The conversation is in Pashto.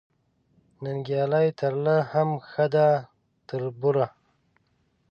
ننګیالۍ ترله هم ښه ده تر تربوره